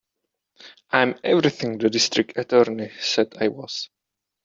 I'm everything the District Attorney said I was.